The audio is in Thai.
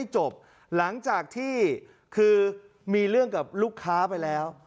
จบหลังจากที่คือมีเรื่องกับลูกค้าไปแล้ว